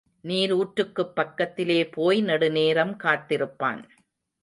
நீருற்றுக்குப் பக்கத்திலே போய் நெடுநேரம் காத்திருப்பான்.